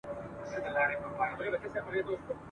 پرته د نارینوو غوندي کارونو تر سره نه کړای سول.